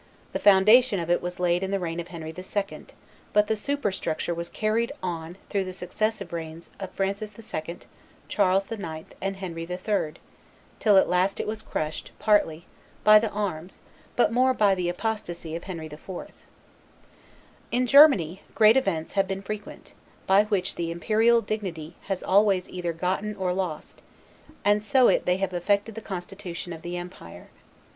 The foundation of it was laid in the reign of Henry II., but the superstructure was carried on through the successive reigns of Francis II., Charles IX. and Henry III., till at last it was crushed, partly, by the arms, but more by the apostasy of Henry IV. In Germany, great events have been frequent, by which the imperial dignity has always either gotten or lost; and so it they have affected the constitution of the empire.